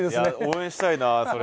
応援したいなそれは。